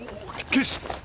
警視！